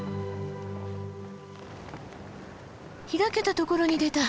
開けたところに出た。